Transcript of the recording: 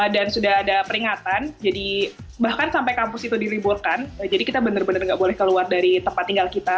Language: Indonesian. dan sudah ada peringatan bahkan sampai kampus itu diliburkan jadi kita benar benar tidak boleh keluar dari tempat tinggal kita